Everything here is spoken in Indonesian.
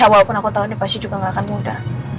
ya walaupun aku tau dia pasti juga gak akan mudah